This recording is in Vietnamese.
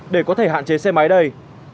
để có thể hạn chế xe máy đây